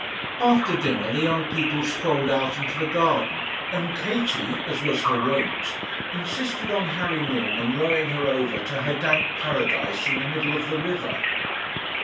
After dinner the young people strolled out into the garden, and Katie, as was her wont, insisted on Harry Norman rowing her over to her damp paradise in the middle of the river.